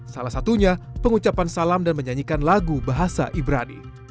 salah satunya pengucapan salam dan menyanyikan lagu bahasa ibrani